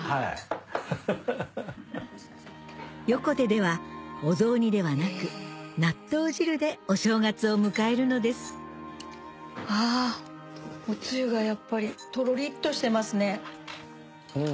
横手ではお雑煮ではなく納豆汁でお正月を迎えるのですわおつゆがとろりっとしてますね。